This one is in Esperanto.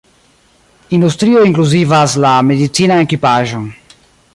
Industrioj inkluzivas la medicinan ekipaĵon.